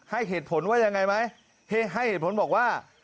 ให้เหตุผลว่ายังไงไหมให้เหตุผลบอกว่า